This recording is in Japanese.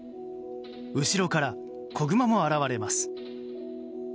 後ろから子グマも現れます。